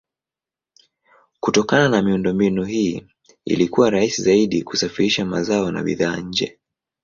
Kutokana na miundombinu hii ilikuwa rahisi zaidi kusafirisha mazao na bidhaa nje.